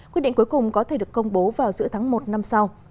quyết định cuối cùng có thể được công bố vào giữa tháng một năm sau